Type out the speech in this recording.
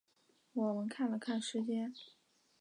我们看了看时间